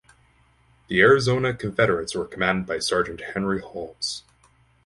The Arizona Confederates were commanded by Sergeant Henry Holmes.